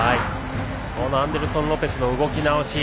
アンデルソン・ロペスの動き直し